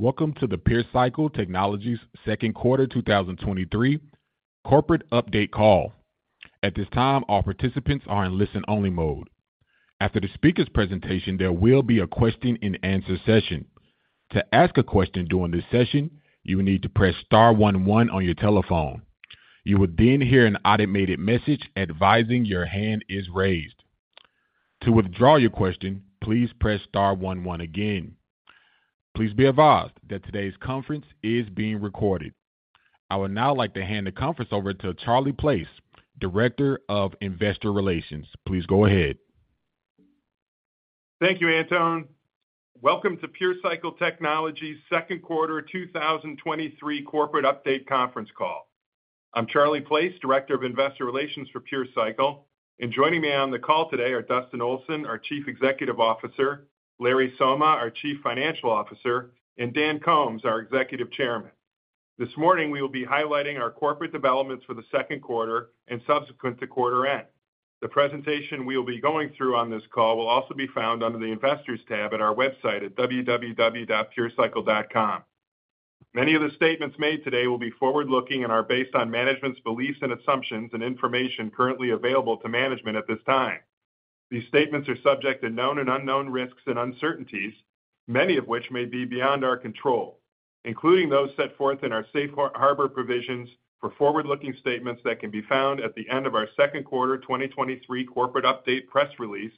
Welcome to the PureCycle Technologies Second Quarter 2023 corporate update call. At this time, all participants are in listen-only mode. After the speaker's presentation, there will be a question-and-answer session. To ask a question during this session, you will need to press star one one on your telephone. You will then hear an automated message advising your hand is raised. To withdraw your question, please press star one one again. Please be advised that today's conference is being recorded. I would now like to hand the conference over to Charlie Place, Director of Investor Relations. Please go ahead. Thank you, Anton. Welcome to PureCycle Technologies' Second Quarter 2023 Corporate Update Conference Call. I'm Charlie Place, Director of Investor Relations for PureCycle, and joining me on the call today are Dustin Olson, our Chief Executive Officer, Larry Somma, our Chief Financial Officer, and Dan Coombs, our Executive Chairman. This morning, we will be highlighting our corporate developments for the second quarter and subsequent to quarter end. The presentation we will be going through on this call will also be found under the Investors tab at our website at www.purecycle.com. Many of the statements made today will be forward-looking and are based on management's beliefs, and assumptions, and information currently available to management at this time. These statements are subject to known and unknown risks and uncertainties, many of which may be beyond our control, including those set forth in our safe harbor provisions for forward-looking statements that can be found at the end of our second quarter 2023 corporate update press release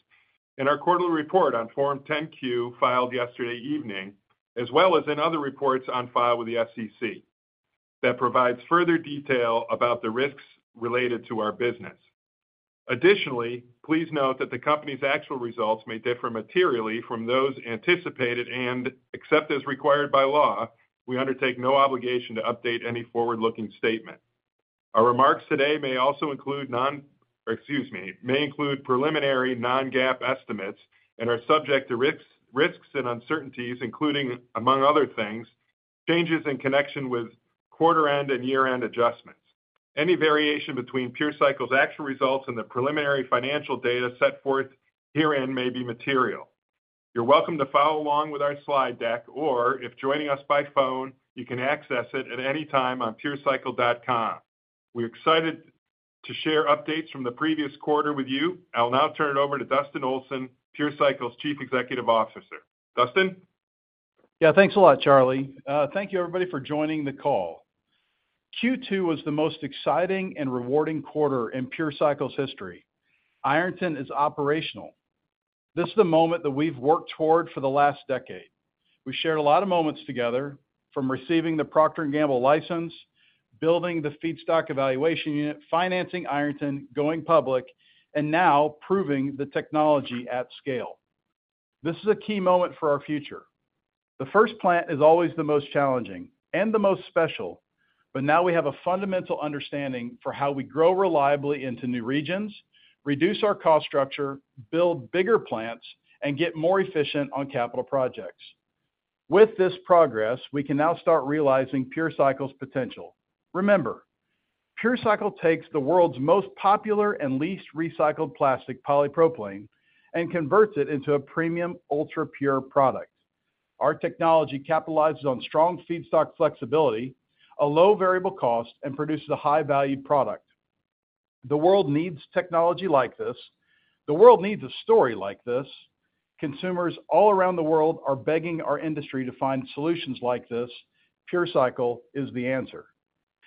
and our quarterly report on Form 10-Q, filed yesterday evening, as well as in other reports on file with the SEC that provides further detail about the risks related to our business. Please note that the company's actual results may differ materially from those anticipated, and except as required by law, we undertake no obligation to update any forward-looking statement. Our remarks today may also include, excuse me, may include preliminary non-GAAP estimates and are subject to risks, risks and uncertainties, including, among other things, changes in connection with quarter end and year-end adjustments. Any variation between PureCycle's actual results and the preliminary financial data set forth herein may be material. You're welcome to follow along with our slide deck, or if joining us by phone, you can access it at any time on purecycle.com. We're excited to share updates from the previous quarter with you. I'll now turn it over to Dustin Olson, PureCycle's Chief Executive Officer. Dustin? Yeah, thanks a lot, Charlie. Thank you everybody for joining the call. Q2 was the most exciting and rewarding quarter in PureCycle's history. Ironton is operational. This is the moment that we've worked toward for the last decade. We've shared a lot of moments together, from receiving the Procter & Gamble license, building the Feedstock Evaluation Unit, financing Ironton, going public, and now proving the technology at scale. This is a key moment for our future. The first plant is always the most challenging and the most special, but now we have a fundamental understanding for how we grow reliably into new regions, reduce our cost structure, build bigger plants, and get more efficient on capital projects. With this progress, we can now start realizing PureCycle's potential. Remember, PureCycle takes the world's most popular and least recycled plastic, polypropylene, and converts it into a premium, ultra-pure product. Our technology capitalizes on strong feedstock flexibility, a low variable cost, and produces a high-value product. The world needs technology like this. The world needs a story like this. Consumers all around the world are begging our industry to find solutions like this. PureCycle is the answer.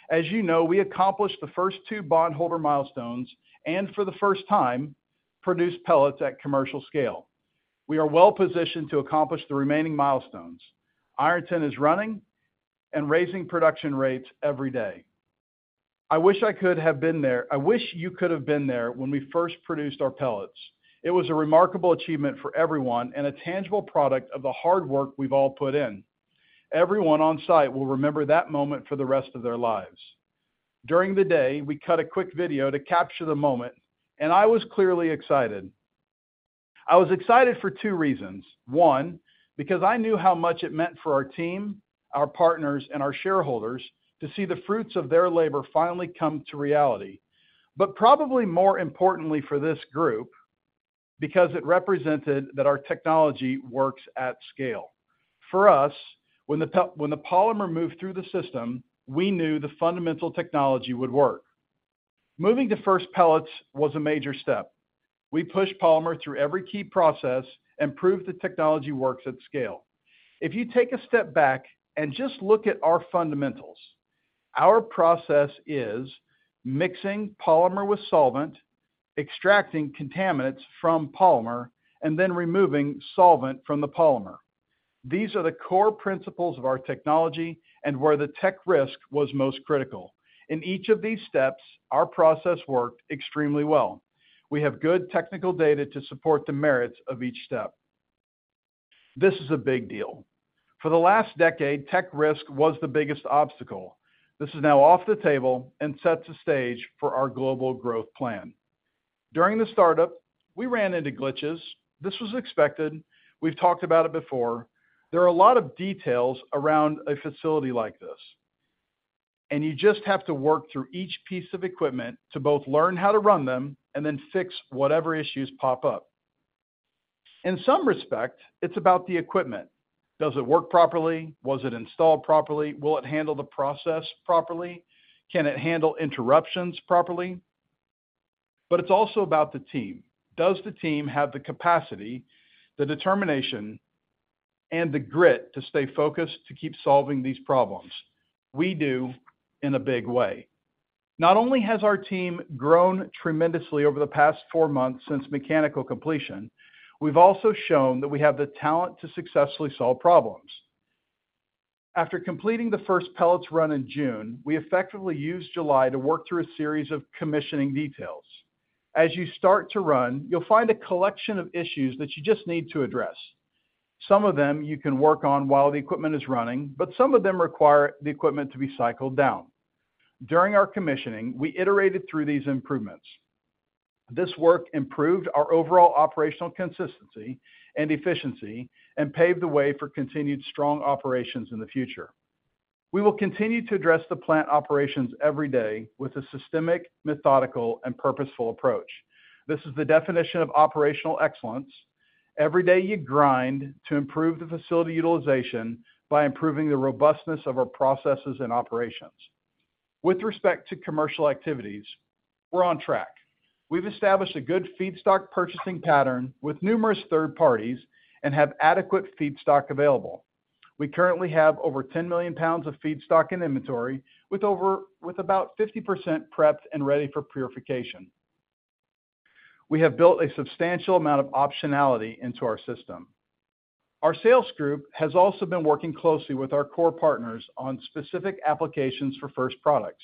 As you know, we accomplished the first two bondholder milestones and, for the first time, produced pellets at commercial scale. We are well positioned to accomplish the remaining milestones. Ironton is running and raising production rates every day. I wish I could have been there, I wish you could have been there when we first produced our pellets. It was a remarkable achievement for everyone and a tangible product of the hard work we've all put in. Everyone on site will remember that moment for the rest of their lives. During the day, we cut a quick video to capture the moment, I was clearly excited. I was excited for two reasons. One, because I knew how much it meant for our team, our partners, and our shareholders to see the fruits of their labor finally come to reality. Probably more importantly for this group, because it represented that our technology works at scale. For us, when the polymer moved through the system, we knew the fundamental technology would work. Moving to first pellets was a major step. We pushed polymer through every key process and proved the technology works at scale. If you take a step back and just look at our fundamentals, our process is mixing polymer with solvent, extracting contaminants from polymer, and then removing solvent from the polymer. These are the core principles of our technology and where the tech risk was most critical. In each of these steps, our process worked extremely well. We have good technical data to support the merits of each step. This is a big deal. For the last decade, tech risk was the biggest obstacle. This is now off the table and sets the stage for our global growth plan. During the startup, we ran into glitches. This was expected. We've talked about it before. There are a lot of details around a facility like this. You just have to work through each piece of equipment to both learn how to run them and then fix whatever issues pop up. In some respect, it's about the equipment. Does it work properly? Was it installed properly? Will it handle the process properly? Can it handle interruptions properly? It's also about the team. Does the team have the capacity, the determination, and the grit to stay focused, to keep solving these problems? We do in a big way. Not only has our team grown tremendously over the past four months since mechanical completion, we've also shown that we have the talent to successfully solve problems. After completing the first pellets run in June, we effectively used July to work through a series of commissioning details. As you start to run, you'll find a collection of issues that you just need to address. Some of them you can work on while the equipment is running, but some of them require the equipment to be cycled down. During our commissioning, we iterated through these improvements. This work improved our overall operational consistency and efficiency and paved the way for continued strong operations in the future. We will continue to address the plant operations every day with a systemic, methodical, and purposeful approach. This is the definition of operational excellence. Every day you grind to improve the facility utilization by improving the robustness of our processes and operations. With respect to commercial activities, we're on track. We've established a good feedstock purchasing pattern with numerous third parties and have adequate feedstock available. We currently have over 10 million pounds of feedstock in inventory, with about 50% prepped and ready for purification. We have built a substantial amount of optionality into our system. Our sales group has also been working closely with our core partners on specific applications for first products,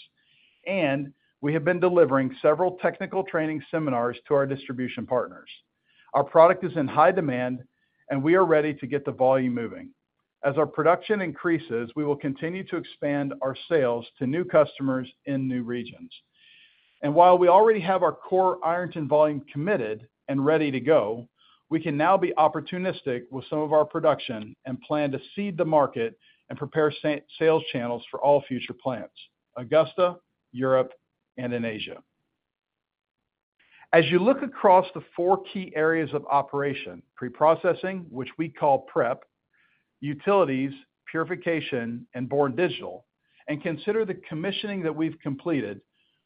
and we have been delivering several technical training seminars to our distribution partners. Our product is in high demand, and we are ready to get the volume moving. As our production increases, we will continue to expand our sales to new customers in new regions. While we already have our core Ironton volume committed and ready to go, we can now be opportunistic with some of our production and plan to seed the market and prepare sales channels for all future plants: Augusta, Europe, and in Asia. As you look across the 4 key areas of operation: pre-processing, which we call prep, utilities, purification, and Born Digital, and consider the commissioning that we've completed,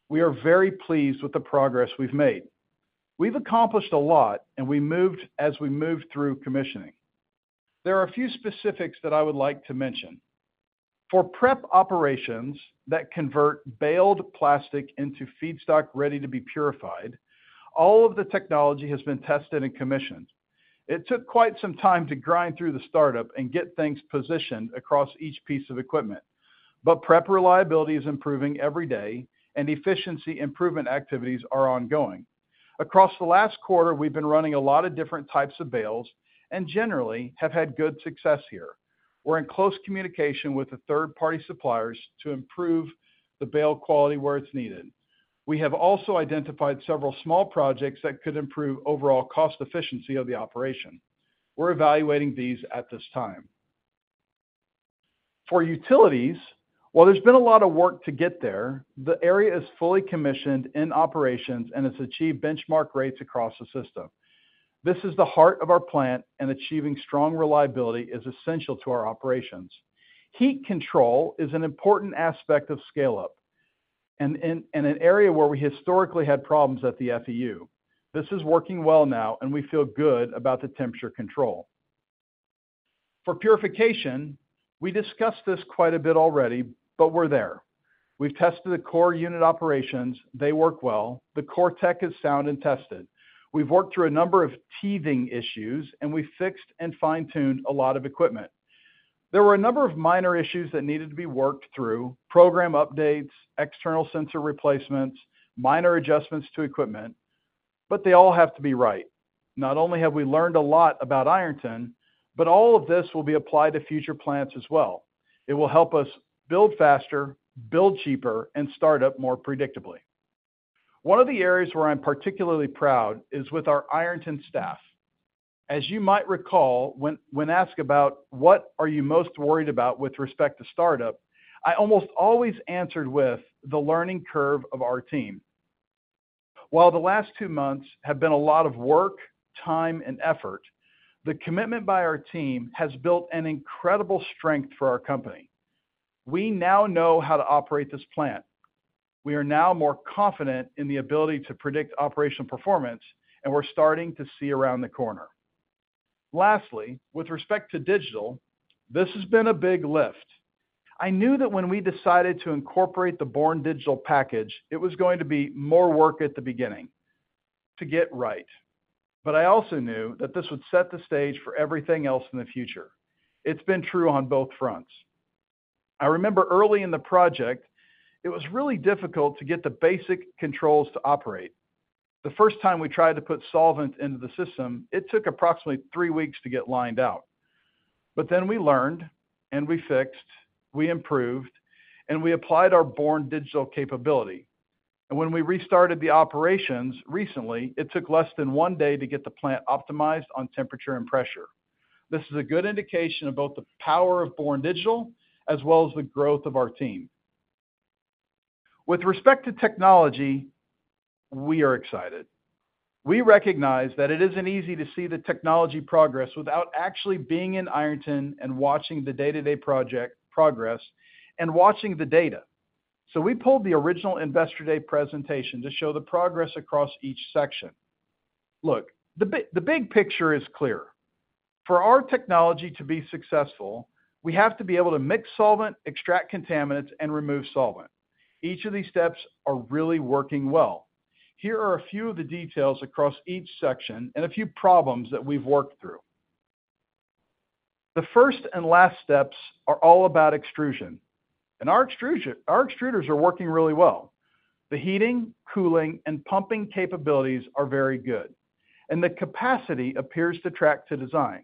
we are very pleased with the progress we've made. We've accomplished a lot, and we moved as we moved through commissioning. There are a few specifics that I would like to mention. For prep operations that convert baled plastic into feedstock ready to be purified, all of the technology has been tested and commissioned. It took quite some time to grind through the startup and get things positioned across each piece of equipment, but PreP reliability is improving every day and efficiency improvement activities are ongoing. Across the last quarter, we've been running a lot of different types of bales and generally have had good success here. We're in close communication with the third-party suppliers to improve the bale quality where it's needed. We have also identified several small projects that could improve overall cost efficiency of the operation. We're evaluating these at this time. For utilities, while there's been a lot of work to get there, the area is fully commissioned in operations and has achieved benchmark rates across the system. This is the heart of our plant, and achieving strong reliability is essential to our operations. Heat control is an important aspect of scale-up and an area where we historically had problems at the FEU. This is working well now, and we feel good about the temperature control. For purification, we discussed this quite a bit already, but we're there. We've tested the core unit operations. They work well. The core tech is sound and tested. We've worked through a number of teething issues, and we fixed and fine-tuned a lot of equipment. There were a number of minor issues that needed to be worked through: program updates, external sensor replacements, minor adjustments to equipment, but they all have to be right. Not only have we learned a lot about Ironton, but all of this will be applied to future plants as well. It will help us build faster, build cheaper, and start up more predictably. One of the areas where I'm particularly proud is with our Ironton staff. As you might recall, when, when asked about what are you most worried about with respect to startup, I almost always answered with the learning curve of our team. While the last 2 months have been a lot of work, time, and effort, the commitment by our team has built an incredible strength for our company. We now know how to operate this plant. We are now more confident in the ability to predict operational performance, and we're starting to see around the corner. Lastly, with respect to digital, this has been a big lift. I knew that when we decided to incorporate the Born Digital package, it was going to be more work at the beginning to get right. I also knew that this would set the stage for everything else in the future. It's been true on both fronts. I remember early in the project, it was really difficult to get the basic controls to operate. The first time we tried to put solvent into the system, it took approximately 3 weeks to get lined out. We learned, and we fixed, we improved, and we applied our Born Digital capability. When we restarted the operations recently, it took less than 1 day to get the plant optimized on temperature and pressure. This is a good indication of both the power of Born Digital as well as the growth of our team. With respect to technology, we are excited. We recognize that it isn't easy to see the technology progress without actually being in Ironton and watching the day-to-day project progress and watching the data. We pulled the original Investor Day presentation to show the progress across each section. Look, the big picture is clear. For our technology to be successful, we have to be able to mix solvent, extract contaminants, and remove solvent. Each of these steps are really working well. Here are a few of the details across each section and a few problems that we've worked through. The first and last steps are all about extrusion, our extruders are working really well. The heating, cooling, and pumping capabilities are very good, the capacity appears to track to design.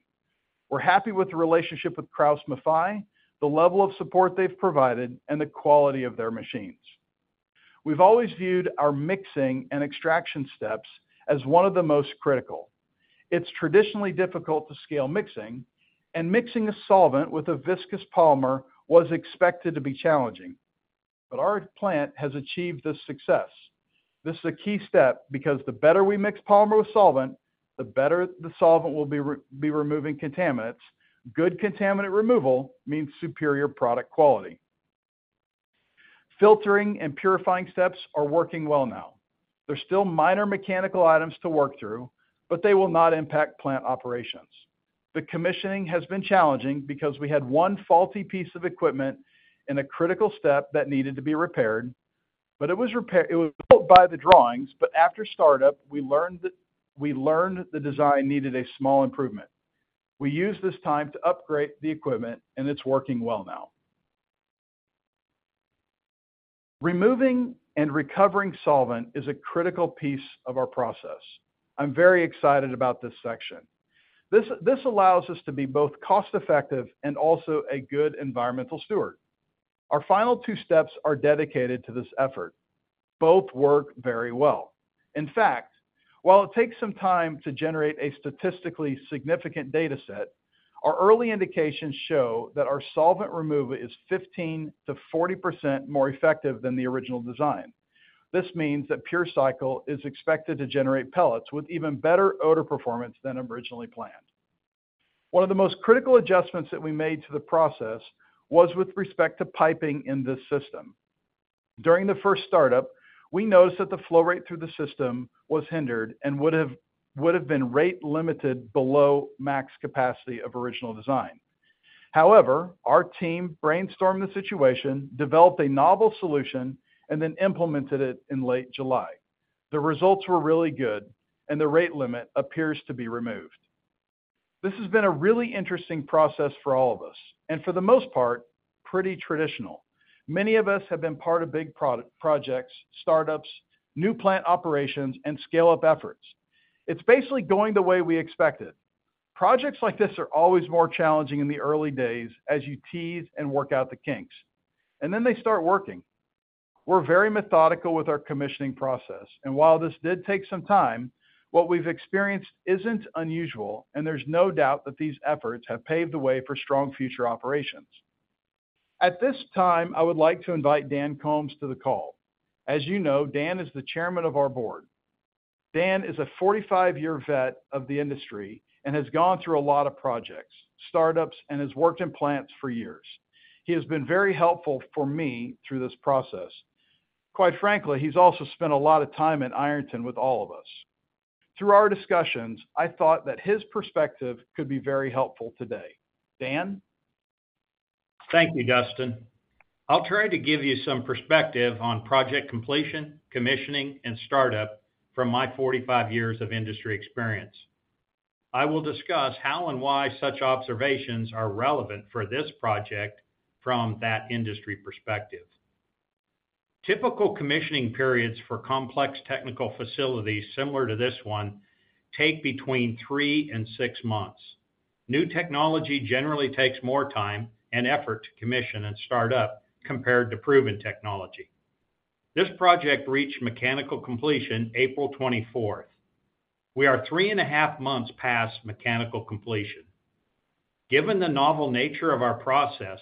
We're happy with the relationship with KraussMaffei, the level of support they've provided, and the quality of their machines. We've always viewed our mixing and extraction steps as one of the most critical. It's traditionally difficult to scale mixing, mixing a solvent with a viscous polymer was expected to be challenging, our plant has achieved this success. This is a key step because the better we mix polymer with solvent, the better the solvent will be removing contaminants. Good contaminant removal means superior product quality. Filtering and purifying steps are working well now. There's still minor mechanical items to work through, but they will not impact plant operations. The commissioning has been challenging because we had one faulty piece of equipment in a critical step that needed to be repaired, but it was built by the drawings, but after startup, we learned the design needed a small improvement. We used this time to upgrade the equipment, and it's working well now. Removing and recovering solvent is a critical piece of our process. I'm very excited about this section. This allows us to be both cost-effective and also a good environmental steward. Our final two steps are dedicated to this effort. Both work very well. In fact, while it takes some time to generate a statistically significant data set, our early indications show that our solvent removal is 15%-40% more effective than the original design. This means that PureCycle is expected to generate pellets with even better odor performance than originally planned. One of the most critical adjustments that we made to the process was with respect to piping in this system. During the first startup, we noticed that the flow rate through the system was hindered and would have been rate limited below max capacity of original design. Our team brainstormed the situation, developed a novel solution, and then implemented it in late July. The results were really good, and the rate limit appears to be removed. This has been a really interesting process for all of us, and for the most part, pretty traditional. Many of us have been part of big projects, startups, new plant operations, and scale-up efforts. It's basically going the way we expected. Projects like this are always more challenging in the early days as you tease and work out the kinks, and then they start working. We're very methodical with our commissioning process, and while this did take some time, what we've experienced isn't unusual, and there's no doubt that these efforts have paved the way for strong future operations. At this time, I would like to invite Dan Coombs to the call. As you know, Dan is the chairman of our board. Dan is a 45-year vet of the industry and has gone through a lot of projects, startups, and has worked in plants for years. He has been very helpful for me through this process. Quite frankly, he's also spent a lot of time in Ironton with all of us. Through our discussions, I thought that his perspective could be very helpful today. Dan? Thank you, Dustin. I'll try to give you some perspective on project completion, commissioning, and startup from my 45 years of industry experience. I will discuss how and why such observations are relevant for this project from that industry perspective. Typical commissioning periods for complex technical facilities similar to this one take between 3 and 6 months. New technology generally takes more time and effort to commission and start up compared to proven technology. This project reached mechanical completion April 24th. We are 3.5 months past mechanical completion. Given the novel nature of our process,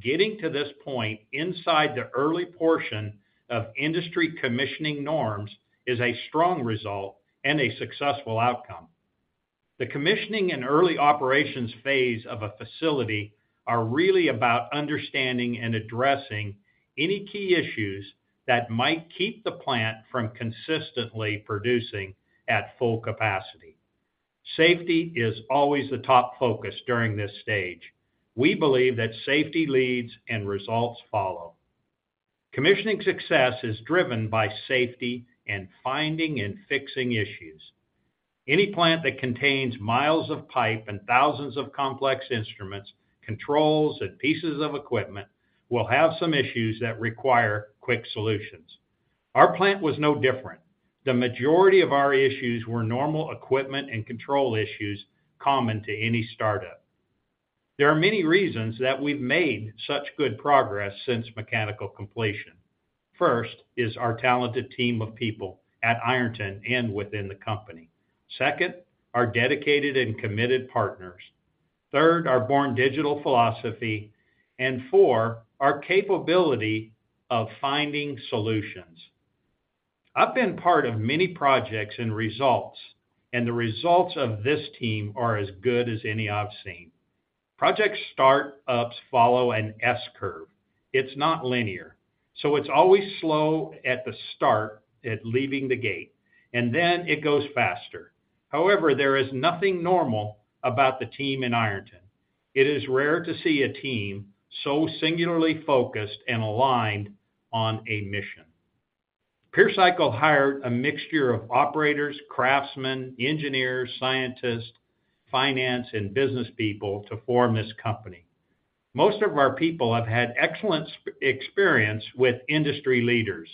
getting to this point inside the early portion of industry commissioning norms is a strong result and a successful outcome. The commissioning and early operations phase of a facility are really about understanding and addressing any key issues that might keep the plant from consistently producing at full capacity. Safety is always the top focus during this stage. We believe that safety leads and results follow. Commissioning success is driven by safety and finding and fixing issues. Any plant that contains miles of pipe and thousands of complex instruments, controls, and pieces of equipment will have some issues that require quick solutions. Our plant was no different. The majority of our issues were normal equipment and control issues common to any startup. There are many reasons that we've made such good progress since mechanical completion. First, is our talented team of people at Ironton and within the company. Second, our dedicated and committed partners. Third, our Born Digital philosophy. Four, our capability of finding solutions. I've been part of many projects and results, and the results of this team are as good as any I've seen. Project start-ups follow an S-curve. It's not linear, so it's always slow at the start, at leaving the gate, and then it goes faster. However, there is nothing normal about the team in Ironton. It is rare to see a team so singularly focused and aligned on a mission. PureCycle hired a mixture of operators, craftsmen, engineers, scientists, finance, and business people to form this company. Most of our people have had excellent experience with industry leaders.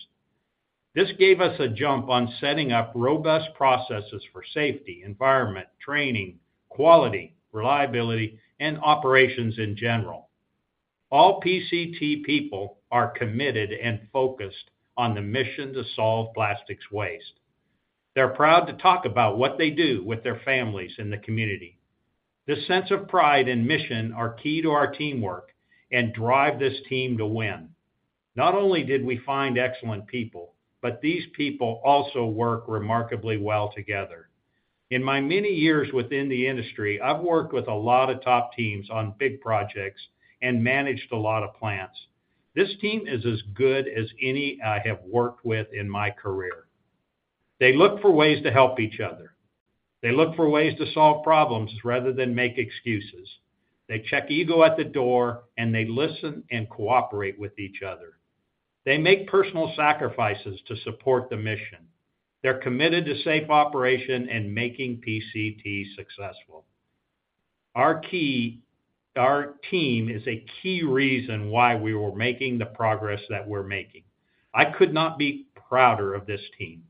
This gave us a jump on setting up robust processes for safety, environment, training, quality, reliability, and operations in general. All PCT people are committed and focused on the mission to solve plastics waste. They're proud to talk about what they do with their families and the community. This sense of pride and mission are key to our teamwork and drive this team to win. Not only did we find excellent people, but these people also work remarkably well together. In my many years within the industry, I've worked with a lot of top teams on big projects and managed a lot of plants. This team is as good as any I have worked with in my career. They look for ways to help each other. They look for ways to solve problems rather than make excuses. They check ego at the door, and they listen and cooperate with each other. They make personal sacrifices to support the mission. They're committed to safe operation and making PCT successful. Our team is a key reason why we were making the progress that we're making. I could not be prouder of this team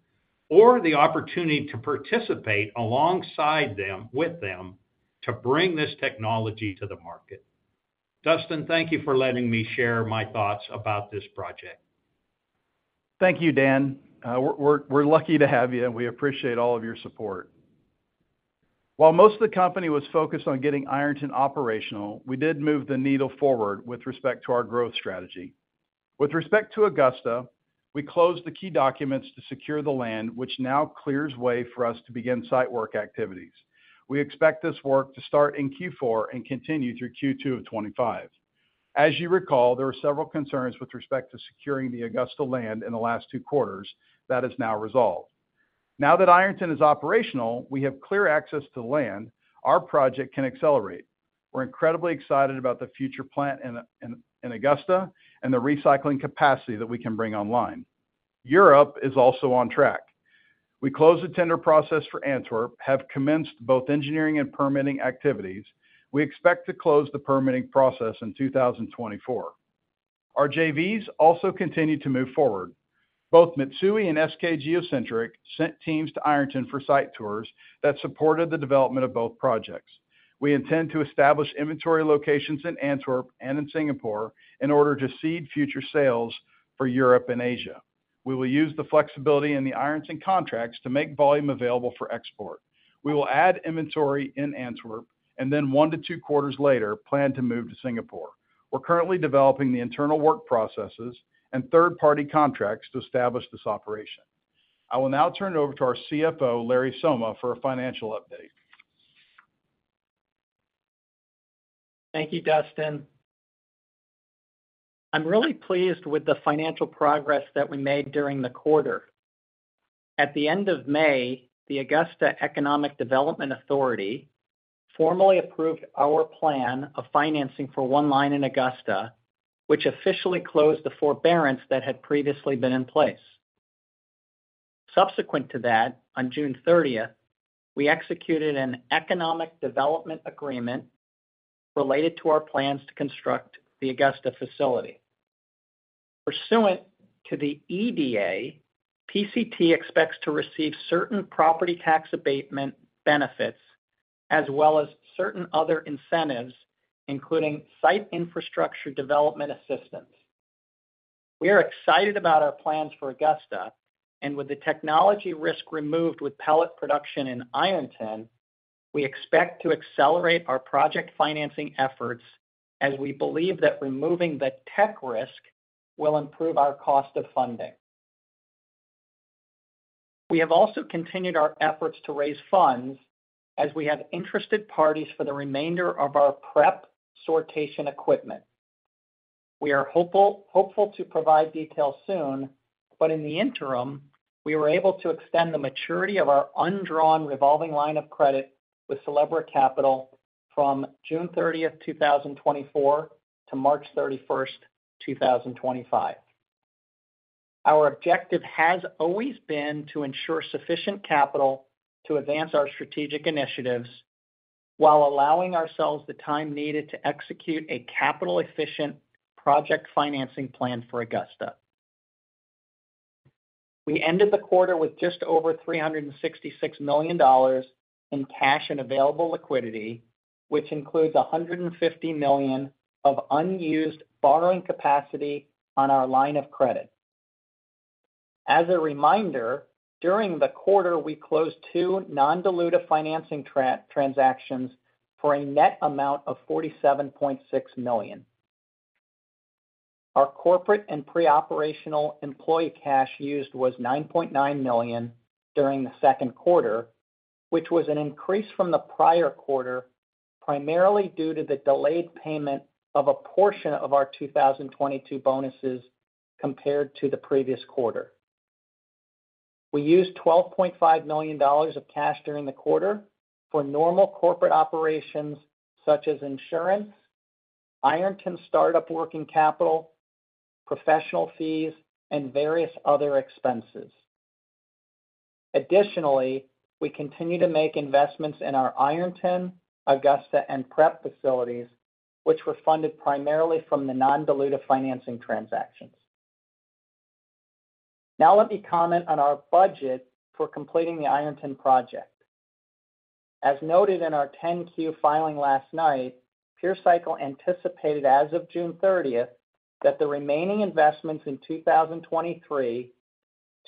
or the opportunity to participate with them, to bring this technology to the market. Dustin, thank you for letting me share my thoughts about this project. Thank you, Dan. We're, we're, we're lucky to have you, and we appreciate all of your support. While most of the company was focused on getting Ironton operational, we did move the needle forward with respect to our growth strategy. With respect to Augusta, we closed the key documents to secure the land, which now clears way for us to begin site work activities. We expect this work to start in Q4 and continue through Q2 of 2025. As you recall, there were several concerns with respect to securing the Augusta land in the last two quarters. That is now resolved. Now that Ironton is operational, we have clear access to land, our project can accelerate. We're incredibly excited about the future plant in, in, in Augusta and the recycling capacity that we can bring online. Europe is also on track. We closed the tender process for Antwerp, have commenced both engineering and permitting activities. We expect to close the permitting process in 2024. Our JVs also continued to move forward. Both Mitsui and SK geo centric sent teams to Ironton for site tours that supported the development of both projects. We intend to establish inventory locations in Antwerp and in Singapore in order to seed future sales for Europe and Asia. We will use the flexibility in the Ironton contracts to make volume available for export. We will add inventory in Antwerp, and then 1-2 quarters later, plan to move to Singapore. We're currently developing the internal work processes and third-party contracts to establish this operation. I will now turn it over to our CFO, Larry Somma, for a financial update. Thank you, Dustin. I'm really pleased with the financial progress that we made during the quarter. At the end of May, the Augusta Economic Development Authority formally approved our plan of financing for 1 line in Augusta, which officially closed the forbearance that had previously been in place. Subsequent to that, on June 30th, we executed an economic development agreement related to our plans to construct the Augusta facility. Pursuant to the EDA, PCT expects to receive certain property tax abatement benefits as well as certain other incentives, including site infrastructure development assistance. We are excited about our plans for Augusta, and with the technology risk removed with pellet production in Ironton, we expect to accelerate our project financing efforts as we believe that removing the tech risk will improve our cost of funding. We have also continued our efforts to raise funds as we have interested parties for the remainder of our PreP sortation equipment. We are hopeful, hopeful to provide details soon, but in the interim, we were able to extend the maturity of our undrawn revolving line of credit with Sylebra Capital from June 30th, 2024 to March 31st, 2025. Our objective has always been to ensure sufficient capital to advance our strategic initiatives while allowing ourselves the time needed to execute a capital-efficient project financing plan for Augusta. We ended the quarter with just over $366 million in cash and available liquidity, which includes $150 million of unused borrowing capacity on our line of credit. As a reminder, during the quarter, we closed two non-dilutive financing transactions for a net amount of $47.6 million. Our corporate and pre-operational employee cash used was $9.9 million during the second quarter, which was an increase from the prior quarter, primarily due to the delayed payment of a portion of our 2022 bonuses compared to the previous quarter. We used $12.5 million of cash during the quarter for normal corporate operations, such as insurance, Ironton startup working capital, professional fees, and various other expenses. Additionally, we continue to make investments in our Ironton, Augusta, and PreP facilities, which were funded primarily from the non-dilutive financing transactions. Let me comment on our budget for completing the Ironton project. As noted in our 10-Q filing last night, PureCycle anticipated, as of June thirtieth, that the remaining investments in 2023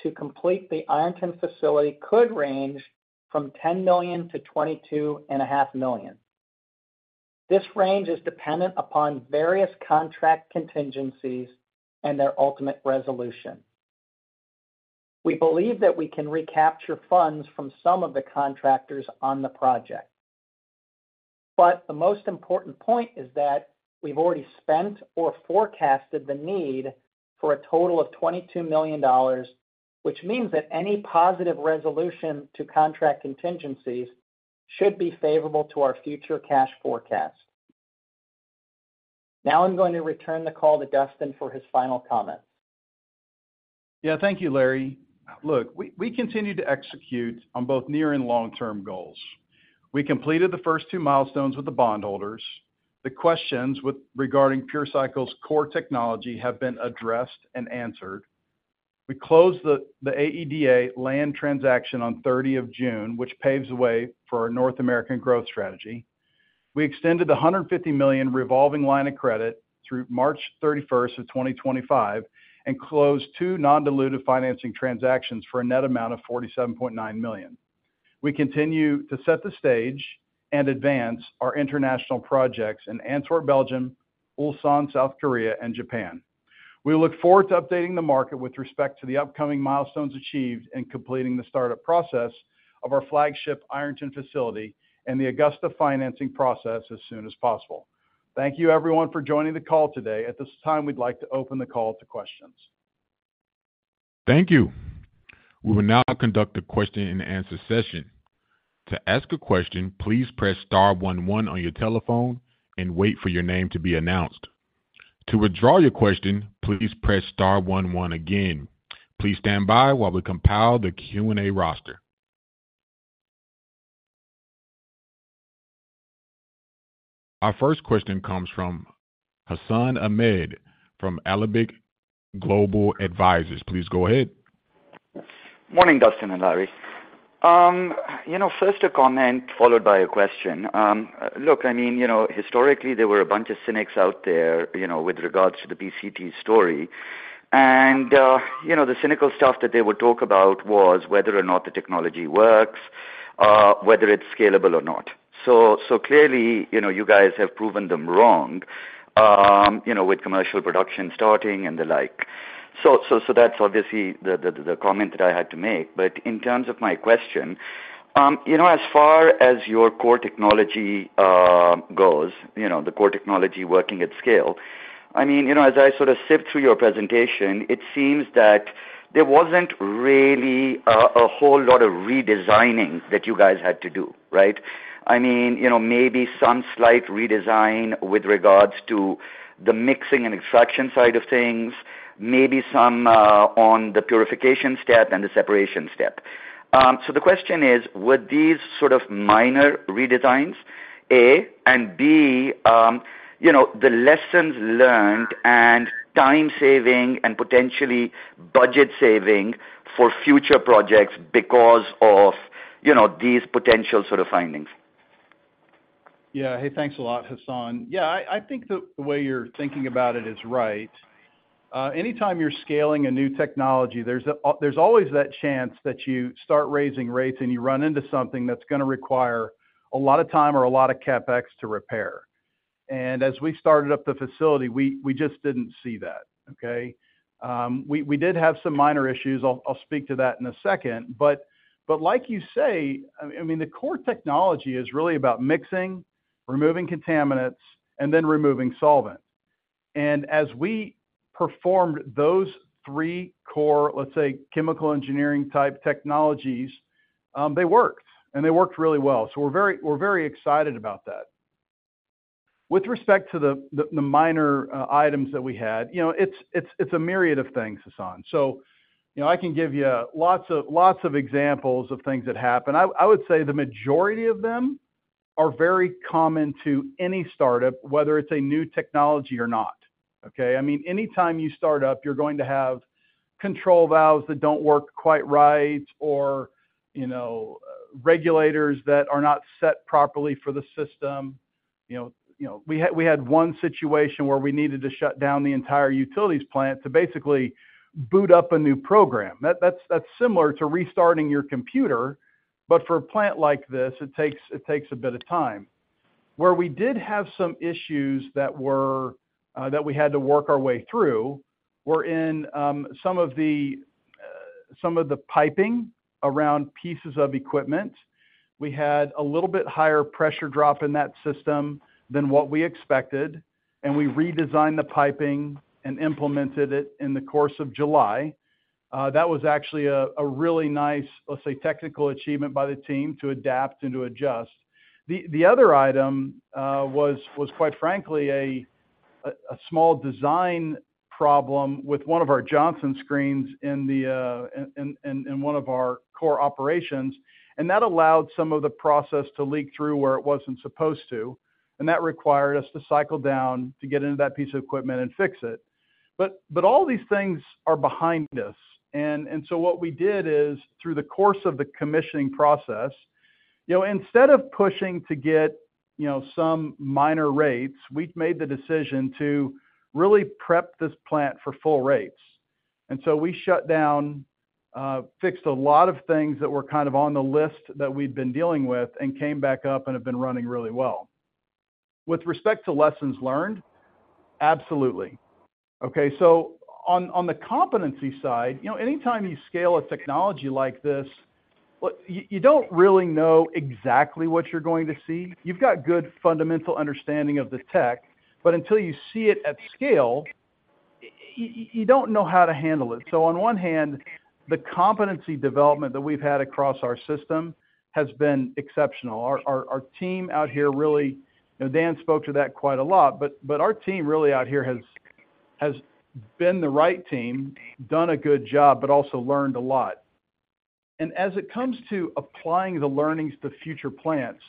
to complete the Ironton facility could range from $10 million-$22.5 million. This range is dependent upon various contract contingencies and their ultimate resolution. We believe that we can recapture funds from some of the contractors on the project, but the most important point is that we've already spent or forecasted the need for a total of $22 million, which means that any positive resolution to contract contingencies should be favorable to our future cash forecast. Now I'm going to return the call to Dustin for his final comments. Yeah, thank you, Larry. Look, we continue to execute on both near and long-term goals. The questions with regarding PureCycle's core technology have been addressed and answered. We closed the AEDA land transaction on 30 of June, which paves the way for our North American growth strategy. We extended the $150 million revolving line of credit through March 31st of 2025, and closed two non-dilutive financing transactions for a net amount of $47.9 million. We continue to set the stage and advance our international projects in Antwerp, Belgium, Ulsan, South Korea, and Japan. We look forward to updating the market with respect to the upcoming milestones achieved in completing the startup process of our flagship Ironton facility and the Augusta financing process as soon as possible. Thank you, everyone, for joining the call today. At this time, we'd like to open the call to questions. Thank you. We will now conduct a question-and-answer session. To ask a question, please press star one one on your telephone and wait for your name to be announced. To withdraw your question, please press star one one again. Please stand by while we compile the Q&A roster. Our first question comes from Hassan Ahmed from Alembic Global Advisors. Please go ahead. Morning, Dustin and Larry. You know, first a comment followed by a question. Look, I mean, you know, historically, there were a bunch of cynics out there, you know, with regards to the PCT story. The cynical stuff that they would talk about was whether or not the technology works, whether it's scalable or not. Clearly, you know, you guys have proven them wrong, you know, with commercial production starting and the like. That's obviously the comment that I had to make. In terms of my question, you know, as far as your core technology goes, you know, the core technology working at scale, I mean, you know, as I sort of sift through your presentation, it seems that there wasn't really a, a whole lot of redesigning that you guys had to do, right? I mean, you know, maybe some slight redesign with regards to the mixing and extraction side of things, maybe some on the purification step and the separation step. The question is, would these sort of minor redesigns, A, and B, you know, the lessons learned and time saving and potentially budget saving for future projects because of, you know, these potential sort of findings? Yeah. Hey, thanks a lot, Hassan. Yeah, I, I think the way you're thinking about it is right. Anytime you're scaling a new technology, there's always that chance that you start raising rates and you run into something that's gonna require a lot of time or a lot of CapEx to repair. As we started up the facility, we, we just didn't see that, okay? We, we did have some minor issues. I'll, I'll speak to that in a second. Like you say, I mean, the core technology is really about mixing, removing contaminants, and then removing solvents. As we performed those three core, let's say, chemical engineering-type technologies, they worked, and they worked really well. We're very, we're very excited about that. With respect to the minor items that we had, you know, it's a myriad of things, Hassan. You know, I can give you lots of, lots of examples of things that happened. I would say the majority of them are very common to any startup, whether it's a new technology or not, okay. I mean, anytime you start up, you're going to have control valves that don't work quite right or, you know, regulators that are not set properly for the system. You know, we had one situation where we needed to shut down the entire utilities plant to basically boot up a new program. That's similar to restarting your computer, but for a plant like this, it takes a bit of time. Where we did have some issues that were, that we had to work our way through, were in some of the, some of the piping around pieces of equipment. We had a little bit higher pressure drop in that system than what we expected, and we redesigned the piping and implemented it in the course of July. That was actually a really nice, let's say, technical achievement by the team to adapt and to adjust. The other item was quite frankly, a small design problem with one of our Johnson Screens in one of our core operations, and that allowed some of the process to leak through where it wasn't supposed to, and that required us to cycle down to get into that piece of equipment and fix it. But all these things are behind us. So what we did is, through the course of the commissioning process, you know, instead of pushing to get, you know, some minor rates, we've made the decision to really prep this plant for full rates. So we shut down, fixed a lot of things that were kind of on the list that we'd been dealing with and came back up and have been running really well. With respect to lessons learned, absolutely. So on, on the competency side, you know, anytime you scale a technology like this, well, you, you don't really know exactly what you're going to see. You've got good fundamental understanding of the tech, but until you see it at scale, you, you, you don't know how to handle it. On one hand, the competency development that we've had across our system has been exceptional. Our team out here, really... You know, Dan spoke to that quite a lot, but our team really out here has been the right team, done a good job, but also learned a lot. As it comes to applying the learnings to future plants,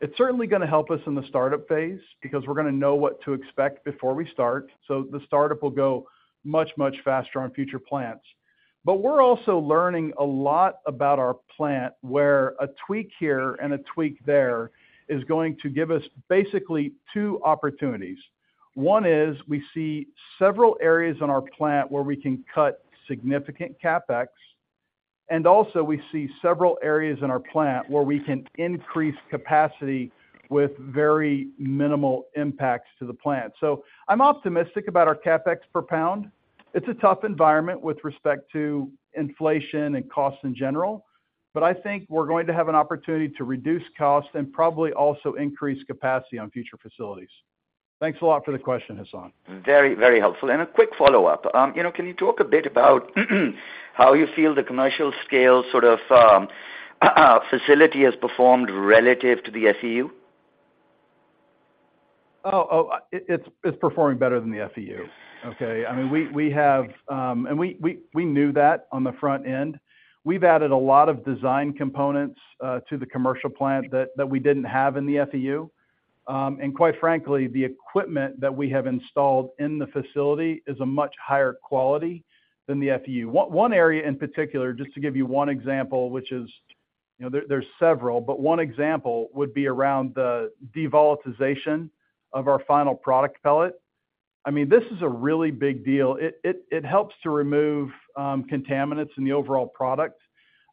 it's certainly gonna help us in the startup phase because we're gonna know what to expect before we start. The startup will go much, much faster on future plants. We're also learning a lot about our plant, where a tweak here and a tweak there is going to give us basically two opportunities. One is we see several areas in our plant where we can cut significant CapEx, and also we see several areas in our plant where we can increase capacity with very minimal impacts to the plant. I'm optimistic about our CapEx per pound. It's a tough environment with respect to inflation and costs in general, but I think we're going to have an opportunity to reduce costs and probably also increase capacity on future facilities. Thanks a lot for the question, Hassan. Very, very helpful. A quick follow-up. You know, can you talk a bit about, how you feel the commercial scale sort of, facility has performed relative to the FEU? Oh, oh, it, it's, it's performing better than the FEU. Okay. I mean, we, we have. We, we, we knew that on the front end. We've added a lot of design components to the commercial plant that, that we didn't have in the FEU. Quite frankly, the equipment that we have installed in the facility is a much higher quality than the FEU. One, one area in particular, just to give you one example, which is, you know, there, there's several, but one example would be around the devolatilization of our final product pellet. I mean, this is a really big deal. It, it, it helps to remove contaminants in the overall product,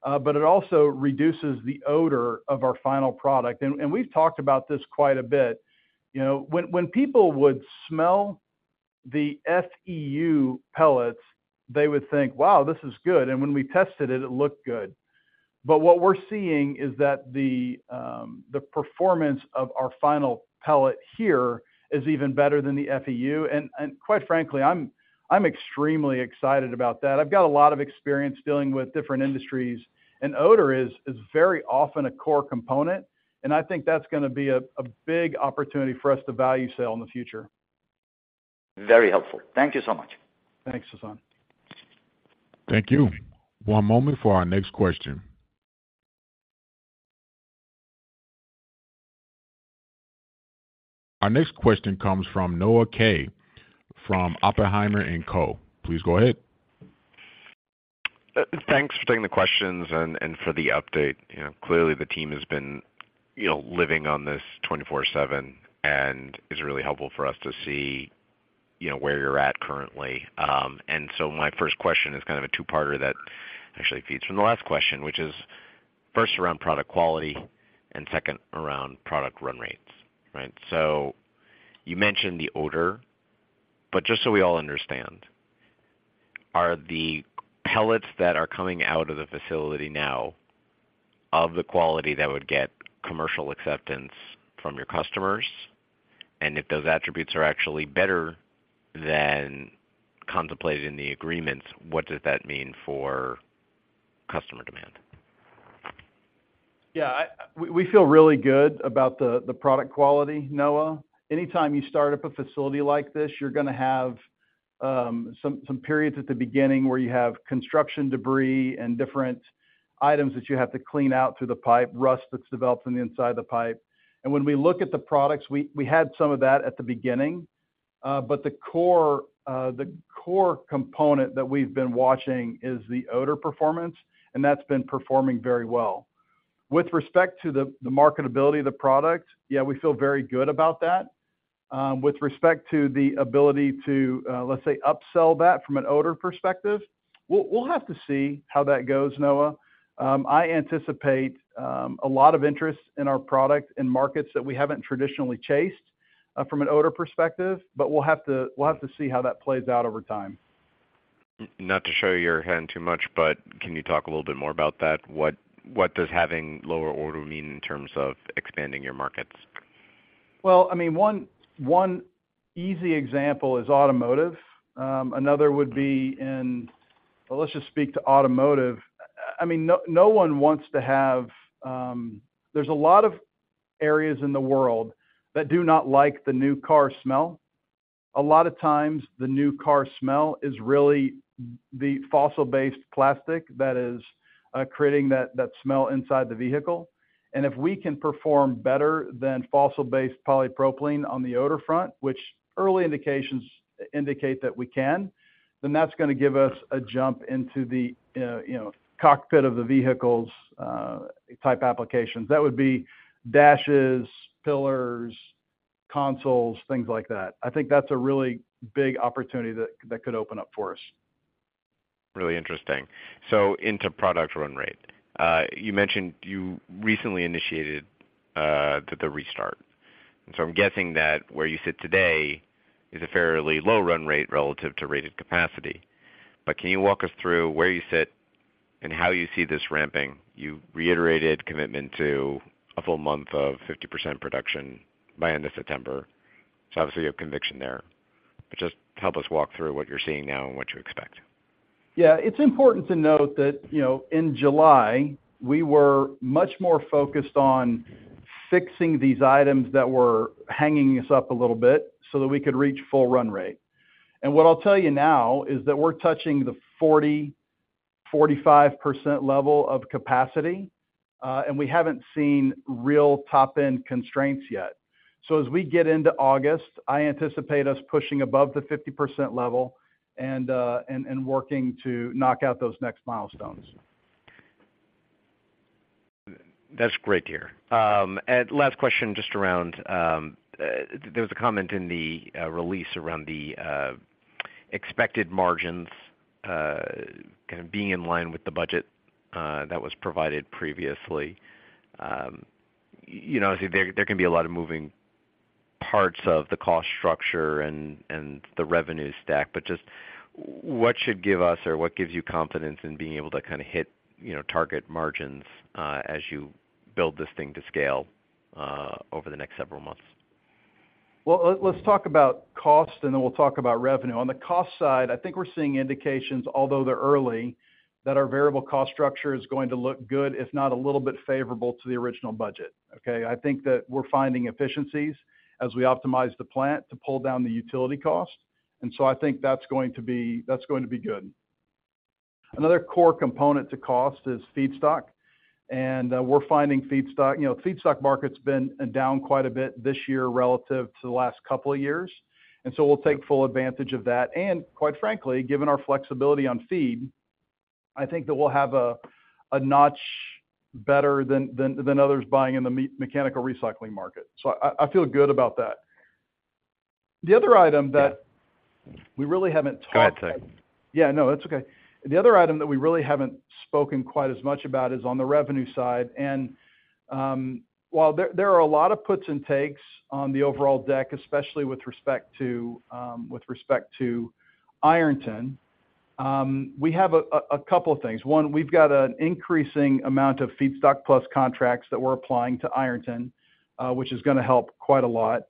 but it also reduces the odor of our final product. We've talked about this quite a bit. You know, when, when people would smell the FEU pellets, they would think, "Wow, this is good!" When we tested it, it looked good. What we're seeing is that the, the performance of our final pellet here is even better than the FEU, and, and quite frankly, I'm, I'm extremely excited about that. I've got a lot of experience dealing with different industries, and odor is, is very often a core component, and I think that's gonna be a, a big opportunity for us to value sell in the future. Very helpful. Thank you so much. Thanks, Hassan. Thank you. One moment for our next question. Our next question comes from Noah Kaye, from Oppenheimer & Co. Please go ahead. Thanks for taking the questions and, and for the update. You know, clearly, the team has been, you know, living on this 24/7, and it's really helpful for us to see, you know, where you're at currently. My first question is kind of a two-parter that actually feeds from the last question, which is first around product quality and second around product run rates, right? You mentioned the odor, but just so we all understand, are the pellets that are coming out of the facility now of the quality that would get commercial acceptance from your customers? If those attributes are actually better than contemplated in the agreements, what does that mean for customer demand? Yeah, we, we feel really good about the, the product quality, Noah. Anytime you start up a facility like this, you're gonna have some, some periods at the beginning where you have construction debris and different items that you have to clean out through the pipe, rust that's developed on the inside of the pipe. When we look at the products, we, we had some of that at the beginning, but the core, the core component that we've been watching is the odor performance, and that's been performing very well. With respect to the, the marketability of the product, yeah, we feel very good about that. With respect to the ability to, let's say, upsell that from an odor perspective, we'll, we'll have to see how that goes, Noah. I anticipate a lot of interest in our product in markets that we haven't traditionally chased from an odor perspective, but we'll have to see how that plays out over time. Not to show your hand too much, but can you talk a little bit more about that? What, what does having lower odor mean in terms of expanding your markets? Well, I mean, one, one easy example is automotive. Another would be. Well, let's just speak to automotive. I mean, no, no one wants to have. There's a lot of areas in the world that do not like the new car smell. A lot of times, the new car smell is really the fossil-based plastic that is creating that, that smell inside the vehicle. If we can perform better than fossil-based polypropylene on the odor front, which early indications indicate that we can, then that's gonna give us a jump into the, you know, cockpit of the vehicle's type applications. That would be dashes, pillars, consoles, things like that. I think that's a really big opportunity that, that could open up for us. Really interesting. Into product run rate. You mentioned you recently initiated, the, the restart. I'm guessing that where you sit today is a fairly low run rate relative to rated capacity. Can you walk us through where you sit and how you see this ramping? You reiterated commitment to a full month of 50% production by end of September. Obviously, you have conviction there. Just help us walk through what you're seeing now and what you expect. Yeah, it's important to note that, you know, in July, we were much more focused on fixing these items that were hanging us up a little bit so that we could reach full run rate. What I'll tell you now is that we're touching the 40-45% level of capacity, and we haven't seen real top-end constraints yet. As we get into August, I anticipate us pushing above the 50% level and working to knock out those next milestones. That's great to hear. Last question, just around there was a comment in the release around the expected margins kind of being in line with the budget that was provided previously. You know, there, there can be a lot of moving parts of the cost structure and, and the revenue stack, but just what should give us, or what gives you confidence in being able to kinda hit, you know, target margins as you build this thing to scale over the next several months? Well, let's talk about cost, then we'll talk about revenue. On the cost side, I think we're seeing indications, although they're early, that our variable cost structure is going to look good, if not a little bit favorable to the original budget, okay? I think that we're finding efficiencies as we optimize the plant to pull down the utility costs, so I think that's going to be good. Another core component to cost is feedstock, we're finding feedstock. You know, feedstock market's been down quite a bit this year relative to the last 2 years, so we'll take full advantage of that. Quite frankly, given our flexibility on feed, I think that we'll have a notch better than others buying in the mechanical recycling market. I feel good about that. The other item that we really haven't. Go ahead, sorry. Yeah, no, that's okay. The other item that we really haven't spoken quite as much about is on the revenue side, and while there, there are a lot of puts and takes on the overall deck, especially with respect to Ironton, we have a couple of things. One, we've got an increasing amount of feedstock plus contracts that we're applying to Ironton, which is gonna help quite a lot.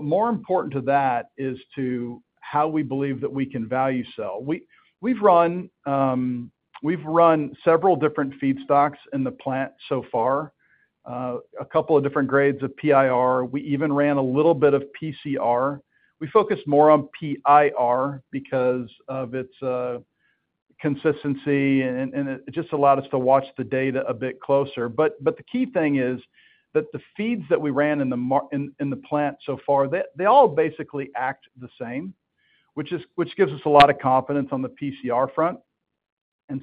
More important to that is to how we believe that we can value sell. We, we've run, we've run several different feedstocks in the plant so far, a couple of different grades of PIR. We even ran a little bit of PCR. We focus more on PIR because of its consistency, and it just allowed us to watch the data a bit closer. The key thing is that the feeds that we ran in the plant so far, they, they all basically act the same, which gives us a lot of confidence on the PCR front.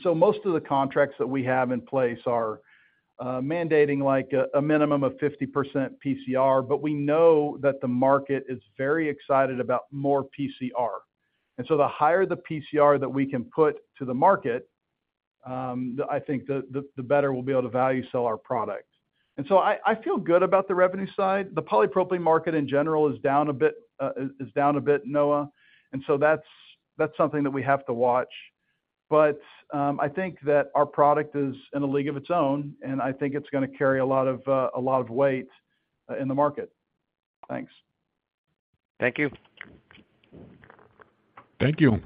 Most of the contracts that we have in place are mandating like a minimum of 50% PCR, but we know that the market is very excited about more PCR. The higher the PCR that we can put to the market, I think the better we'll be able to value sell our product. I, I feel good about the revenue side. The polypropylene market in general is down a bit, Noah, and so that's, that's something that we have to watch. I think that our product is in a league of its own, and I think it's gonna carry a lot of, a lot of weight in the market. Thanks. Thank you. Thank you.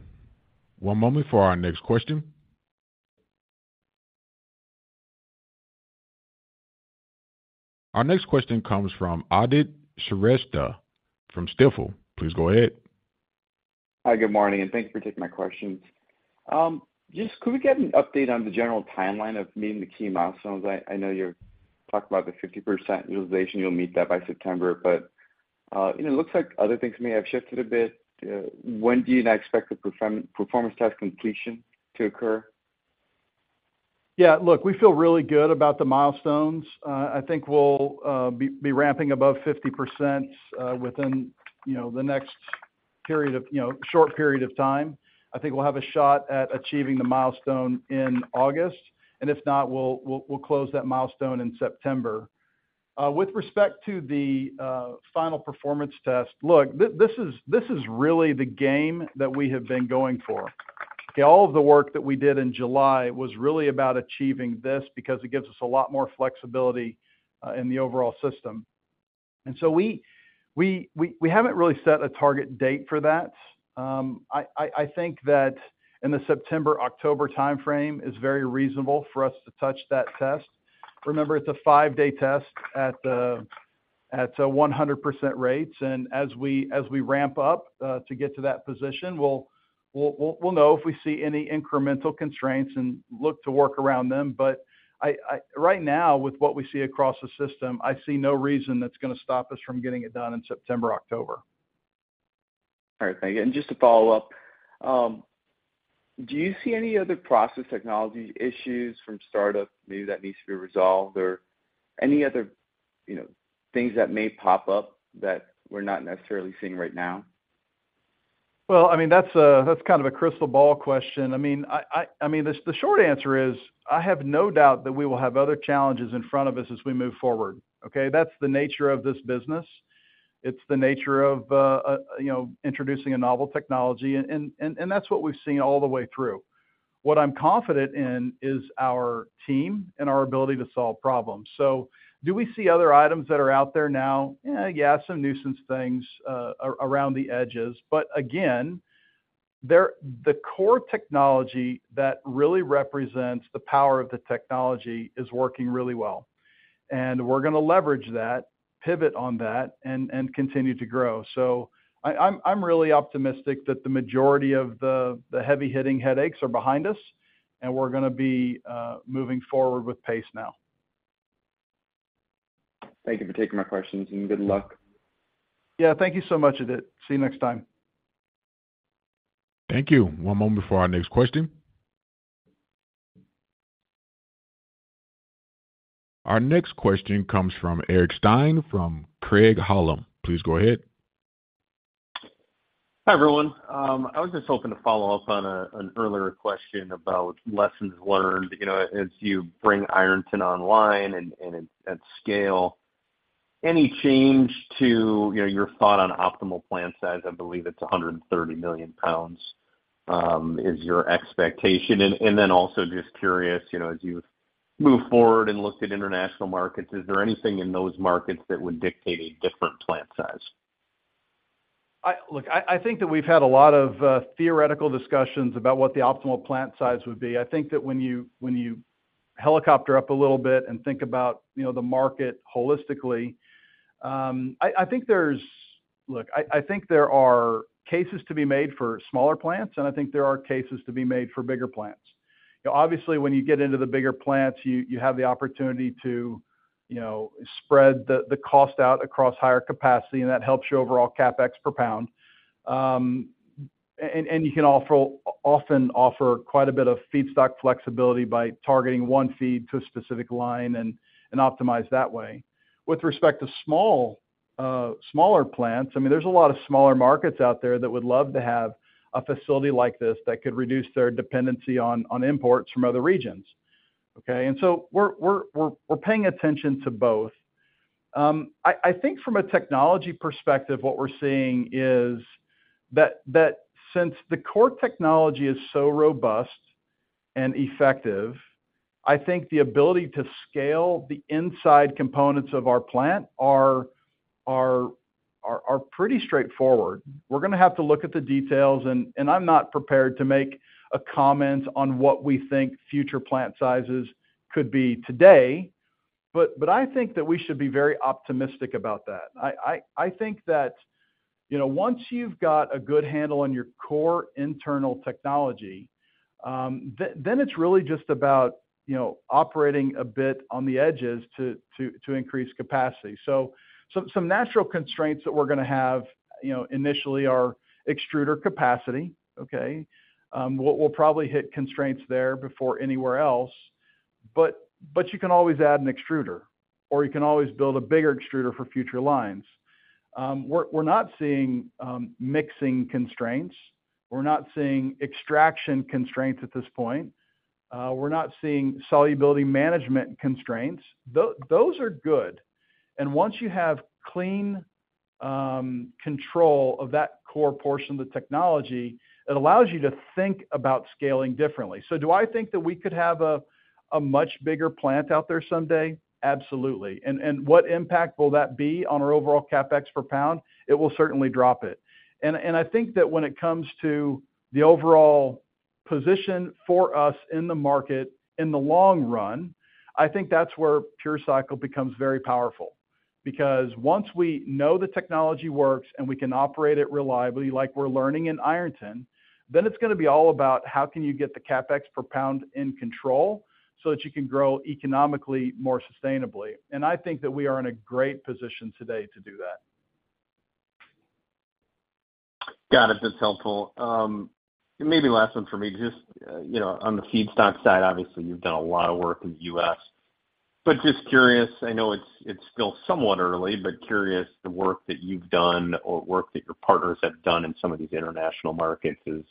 One moment for our next question. Our next question comes from Aadit Shrestha from Stifel. Please go ahead. Hi, good morning, thank you for taking my questions. Just could we get an update on the general timeline of meeting the key milestones? I know you've talked about the 50% utilization, you'll meet that by September, but it looks like other things may have shifted a bit. When do you now expect the performance test completion to occur? Yeah, look, we feel really good about the milestones. I think we'll be ramping above 50% within, you know, the next period of, you know, short period of time. I think we'll have a shot at achieving the milestone in August, and if not, we'll, we'll, we'll close that milestone in September. With respect to the final performance test. Look, this is, this is really the game that we have been going for. All of the work that we did in July was really about achieving this because it gives us a lot more flexibility in the overall system. We, we, we, we haven't really set a target date for that. I, I, I think that in the September-October timeframe is very reasonable for us to touch that test. Remember, it's a five-day test at a 100% rates, as we, as we ramp up to get to that position, we'll, we'll, we'll, we'll know if we see any incremental constraints and look to work around them. I right now, with what we see across the system, I see no reason that's going to stop us from getting it done in September, October. All right, thank you. Just to follow up, do you see any other process technology issues from startup maybe that needs to be resolved or any other, you know, things that may pop up that we're not necessarily seeing right now? Well, I mean, that's a, that's kind of a crystal ball question. I mean, the short answer is, I have no doubt that we will have other challenges in front of us as we move forward, okay? That's the nature of this business. It's the nature of, you know, introducing a novel technology, and, and, and that's what we've seen all the way through. What I'm confident in is our team and our ability to solve problems. Do we see other items that are out there now? Yeah, some nuisance things, around the edges. Again, the core technology that really represents the power of the technology is working really well, and we're going to leverage that, pivot on that, and, and continue to grow. I'm really optimistic that the majority of the heavy-hitting headaches are behind us, and we're going to be moving forward with pace now. Thank you for taking my questions, and good luck. Yeah, thank you so much, Aadit. See you next time. Thank you. One moment before our next question. Our next question comes from Eric Stine from Craig-Hallum. Please go ahead. Hi, everyone. I was just hoping to follow up on an earlier question about lessons learned, you know, as you bring Ironton online and at scale. Any change to, you know, your thought on optimal plant size? I believe it's 130 million pounds is your expectation. Then also just curious, you know, as you've moved forward and looked at international markets, is there anything in those markets that would dictate a different plant size? Look, I, I think that we've had a lot of theoretical discussions about what the optimal plant size would be. I think that when you, when you helicopter up a little bit and think about, you know, the market holistically, I, I think there's... Look, I, I think there are cases to be made for smaller plants, and I think there are cases to be made for bigger plants. Obviously, when you get into the bigger plants, you, you have the opportunity to, you know, spread the, the cost out across higher capacity, and that helps your overall CapEx per pound. And, and you can also often offer quite a bit of feedstock flexibility by targeting one feed to a specific line and, and optimize that way. With respect to small, smaller plants, I mean, there's a lot of smaller markets out there that would love to have a facility like this that could reduce their dependency on, on imports from other regions, okay? We're, we're, we're, we're paying attention to both. I, I think from a technology perspective, what we're seeing is that, that since the core technology is so robust and effective, I think the ability to scale the inside components of our plant are, are, are, are pretty straightforward. We're going to have to look at the details, and I'm not prepared to make a comment on what we think future plant sizes could be today, but I think that we should be very optimistic about that. I, I, I think that, you know, once you've got a good handle on your core internal technology, then, then it's really just about, you know, operating a bit on the edges to, to, to increase capacity. Some, some natural constraints that we're going to have, you know, initially are extruder capacity, okay? We'll, we'll probably hit constraints there before anywhere else, but, but you can always add an extruder or you can always build a bigger extruder for future lines. We're, we're not seeing mixing constraints. We're not seeing extraction constraints at this point. We're not seeing solubility management constraints. Those are good. Once you have clean control of that core portion of the technology, it allows you to think about scaling differently. Do I think that we could have a, a much bigger plant out there someday? Absolutely. What impact will that be on our overall CapEx per pound? It will certainly drop it. I think that when it comes to the overall position for us in the market in the long run, I think that's where PureCycle becomes very powerful. Because once we know the technology works and we can operate it reliably, like we're learning in Ironton, then it's gonna be all about how can you get the CapEx per pound in control so that you can grow economically, more sustainably. I think that we are in a great position today to do that. Got it. That's helpful. Maybe last one for me, just, you know, on the feedstock side, obviously, you've done a lot of work in the U.S. Just curious, I know it's, it's still somewhat early, but curious, the work that you've done or work that your partners have done in some of these international markets is,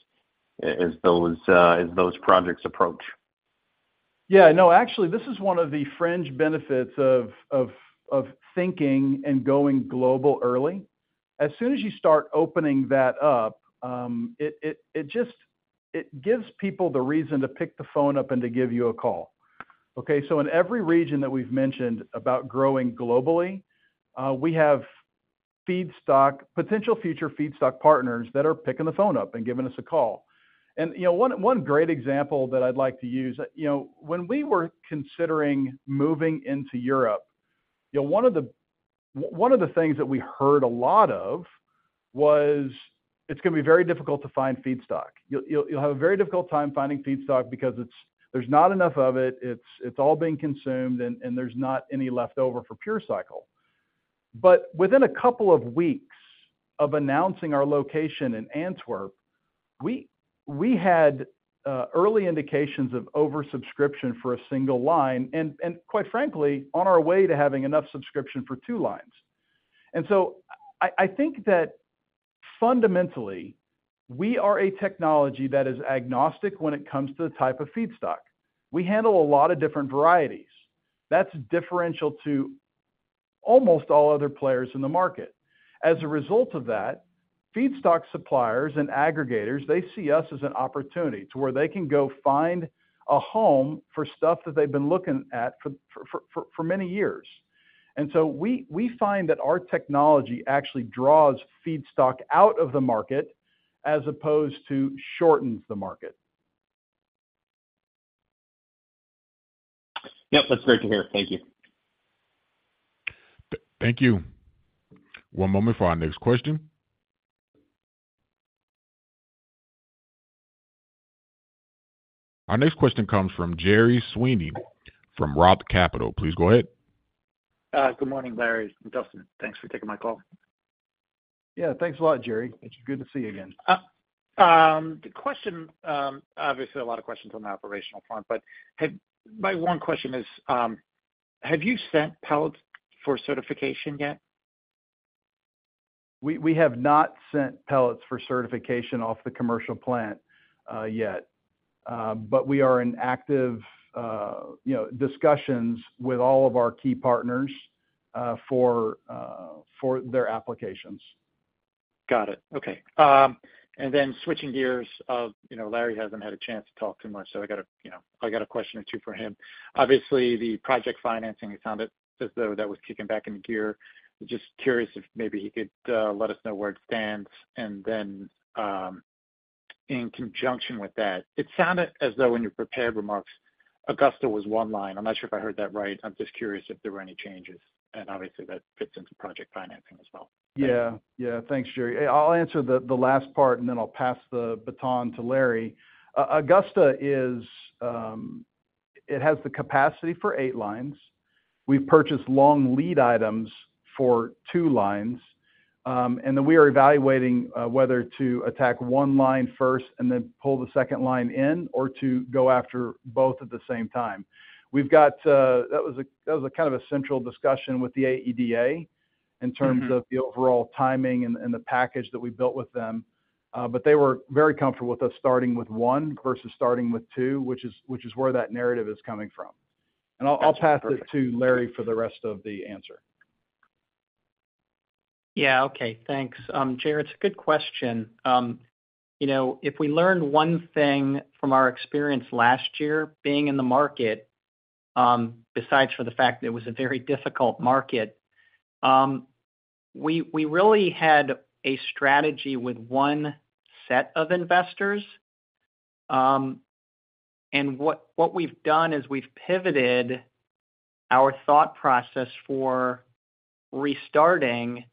as those, as those projects approach. Yeah, no, actually, this is one of the fringe benefits of, of, of thinking and going global early. As soon as you start opening that up, it, it, it just, it gives people the reason to pick the phone up and to give you a call, okay? In every region that we've mentioned about growing globally, we have feedstock-- potential future feedstock partners that are picking the phone up and giving us a call. You know, one, one great example that I'd like to use, you know, when we were considering moving into Europe, you know, one of the-- one of the things that we heard a lot of was, it's gonna be very difficult to find feedstock. You'll, you'll, you'll have a very difficult time finding feedstock because it's-- there's not enough of it. It's, it's all being consumed, and there's not any left over for PureCycle. Within a couple of weeks of announcing our location in Antwerp, we, we had early indications of oversubscription for 1 line, and quite frankly, on our way to having enough subscription for 2 lines. I, I think that fundamentally, we are a technology that is agnostic when it comes to the type of feedstock. We handle a lot of different varieties. That's differential to almost all other players in the market. As a result of that, feedstock suppliers and aggregators, they see us as an opportunity to where they can go find a home for stuff that they've been looking at for many years. We, we find that our technology actually draws feedstock out of the market as opposed to shortens the market. Yep, that's great to hear. Thank you. Thank you. One moment for our next question. Our next question comes from Gerry Sweeney from ROTH Capital. Please go ahead. Good morning, Larry and Dustin. Thanks for taking my call. Yeah, thanks a lot, Gerry. It's good to see you again. The question, obviously a lot of questions on the operational front. My one question is, have you sent pellets for certification yet? We, we have not sent pellets for certification off the commercial plant, yet. We are in active, you know, discussions with all of our key partners, for, for their applications. Got it. Okay. And then switching gears, Larry hasn't had a chance to talk too much, so I got a, you know, I got a question or two for him. Obviously, the project financing, it sounded as though that was kicking back into gear. Just curious if maybe he could let us know where it stands. In conjunction with that, it sounded as though when you prepared remarks, Augusta was one line. I'm not sure if I heard that right. I'm just curious if there were any changes, and obviously that fits into project financing as well. Yeah. Yeah. Thanks, Gerry Sweeney. I'll answer the, the last part, and then I'll pass the baton to Larry Somma. Augusta is, it has the capacity for 8 lines. We've purchased long lead items for 2 lines, and then we are evaluating whether to attack 1 line first and then pull the second line in or to go after both at the same time. We've got, that was a kind of a central discussion with the AEDA in terms- of the overall timing and the package that we built with them. They were very comfortable with us starting with one versus starting with two, which is where that narrative is coming from. That's perfect. I'll pass it to Larry for the rest of the answer. Yeah, okay, thanks. Gerry, it's a good question. You know, if we learned one thing from our experience last year, being in the market, besides for the fact that it was a very difficult market, we, we really had a strategy with one set of investors. What, what we've done is we've pivoted our thought process for restarting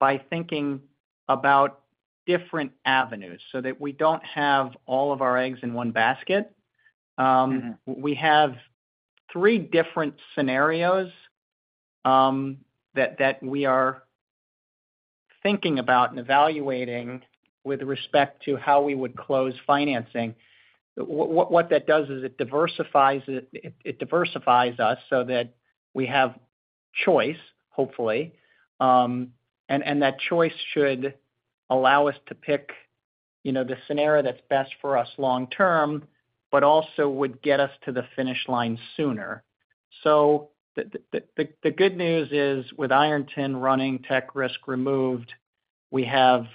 by thinking about different avenues so that we don't have all of our eggs in one basket. We have three different scenarios, that, that we are thinking about and evaluating with respect to how we would close financing. What that does is it diversifies us so that we have choice, hopefully. That choice should allow us to pick, you know, the scenario that's best for us long term, but also would get us to the finish line sooner. The good news is, with Ironton running, tech risk removed, we have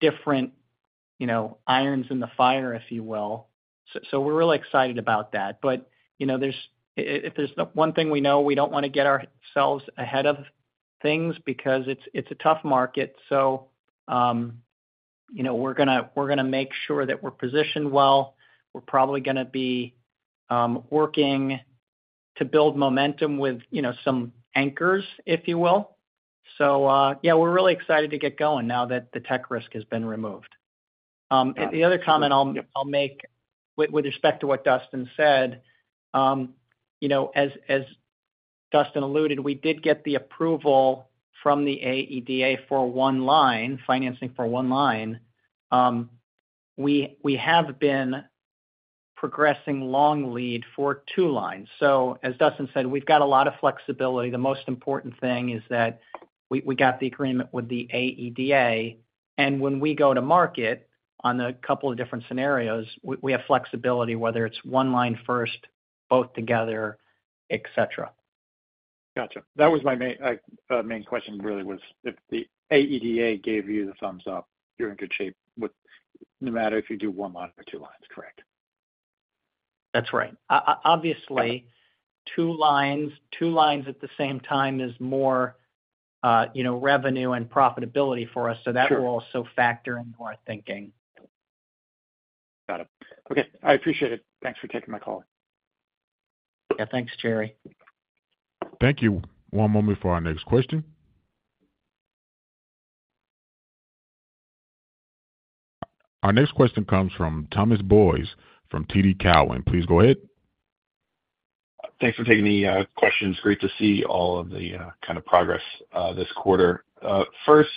different, you know, irons in the fire, if you will. We're really excited about that. You know, there's if there's one thing we know, we don't wanna get ourselves ahead of things because it's a tough market. You know, we're gonna, we're gonna make sure that we're positioned well. We're probably gonna be working to build momentum with, you know, some anchors, if you will. Yeah, we're really excited to get going now that the tech risk has been removed. The other comment I'll, I'll make with, with respect to what Dustin said, you know, as, as Dustin alluded, we did get the approval from the AEDA for one line, financing for one line. We, we have been progressing long lead for two lines. As Dustin said, we've got a lot of flexibility. The most important thing is that we, we got the agreement with the AEDA, and when we go to market on a couple of different scenarios, we, we have flexibility, whether it's one line first, both together, et cetera. Gotcha. That was my main, main question, really, was if the AEDA gave you the thumbs up, you're in good shape no matter if you do one line or two lines, correct? That's right. Obviously, 2 lines, 2 lines at the same time is more, you know, revenue and profitability for us. Sure. That will also factor into our thinking. Got it. Okay, I appreciate it. Thanks for taking my call. Yeah. Thanks, Gerry. Thank you. One moment for our next question. Our next question comes from Thomas Boyes from TD Cowen. Please go ahead. Thanks for taking the questions. Great to see all of the kind of progress this quarter. First,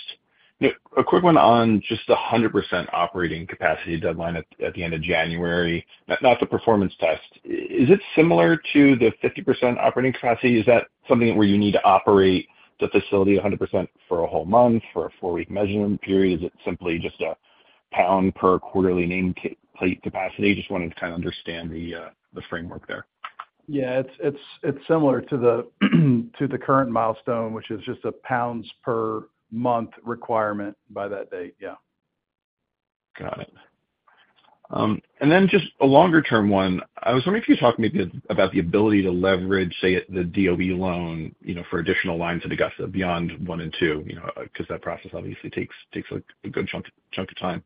a quick one on just the 100% operating capacity deadline at the end of January, not the performance test. Is it similar to the 50% operating capacity? Is that something where you need to operate the facility 100% for a whole month, for a 4-week measurement period? Is it simply just a pound per quarterly name plate capacity? Just wanted to kind of understand the framework there. It's similar to the current milestone, which is just a pounds per month requirement by that date. Got it. Then just a longer-term one, I was wondering if you talk maybe about the ability to leverage, say, the DOE loan, you know, for additional lines at Augusta beyond 1 and 2, you know, 'cause that process obviously takes, takes a, a good chunk, chunk of time.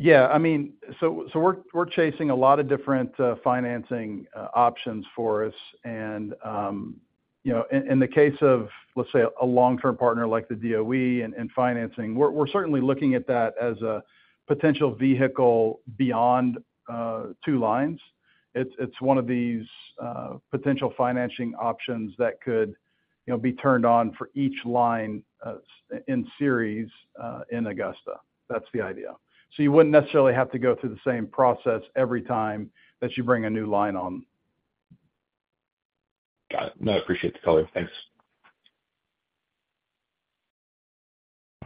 Yeah, I mean, we're chasing a lot of different financing options for us. You know, in, in the case of, let's say, a long-term partner like the DOE and, and financing, we're, we're certainly looking at that as a potential vehicle beyond two lines. It's, it's one of these potential financing options that could, you know, be turned on for each line in series in Augusta. That's the idea. You wouldn't necessarily have to go through the same process every time that you bring a new line on. Got it. No, I appreciate the color. Thanks.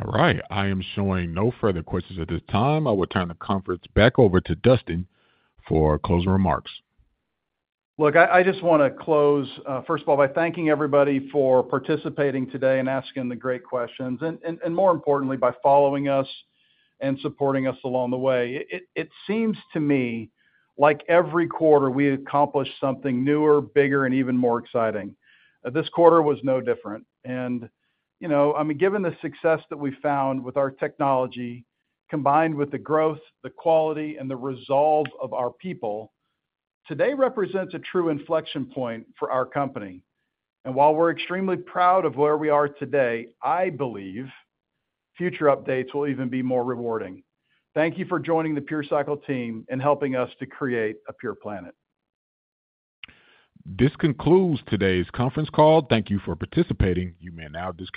All right. I am showing no further questions at this time. I will turn the conference back over to Dustin for closing remarks. Look, I, I just wanna close, first of all, by thanking everybody for participating today and asking the great questions, and, and, and more importantly, by following us and supporting us along the way. It, it, it seems to me like every quarter, we accomplish something newer, bigger, and even more exciting. This quarter was no different. You know, I mean, given the success that we found with our technology, combined with the growth, the quality, and the resolve of our people, today represents a true inflection point for our company. While we're extremely proud of where we are today, I believe future updates will even be more rewarding. Thank you for joining the PureCycle team and helping us to create a pure planet. This concludes today's conference call. Thank you for participating. You may now disconnect.